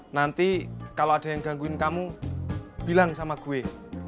nanti kalau ada yang gangguin kamu bilang sama gue